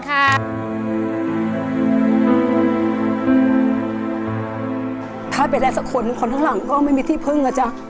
ถ้าไปได้สักคนคนข้างหลังก็ไม่มีที่พึ่งอ่ะจ๊ะ